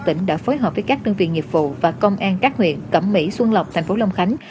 tỉnh đã phối hợp với các đơn viên nghiệp vụ và công an các huyện cẩm mỹ xuân lọc tp long khánh